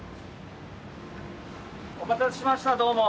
お待たせしましたどうも。